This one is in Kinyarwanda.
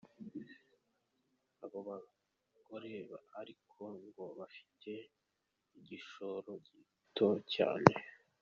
Abo bagore ariko ngo bafite igishoro gito cyane.